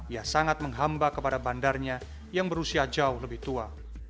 ia sangat menghamba kepada bandarnya yang berusia jauh lebih tua